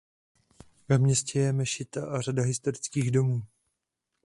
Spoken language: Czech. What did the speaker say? Ve městě je mešita a řada historických domů.